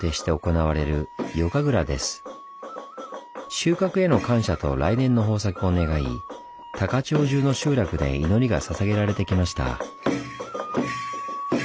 収穫への感謝と来年の豊作を願い高千穂じゅうの集落で祈りがささげられてきました。